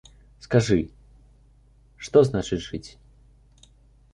Скажы, што значыць жыць?